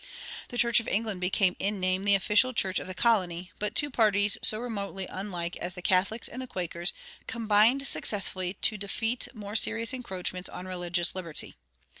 The Church of England became in name the official church of the colony, but two parties so remotely unlike as the Catholics and the Quakers combined successfully to defeat more serious encroachments on religious liberty.